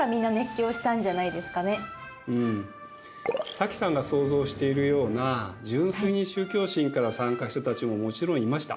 早紀さんが想像しているような純粋に宗教心から参加した人たちももちろんいました。